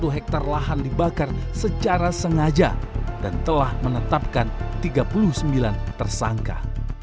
satu hektare lahan dibakar secara sengaja dan telah menetapkan tiga puluh sembilan tersangka